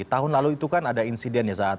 tahun lalu itu kan ada insiden ya saat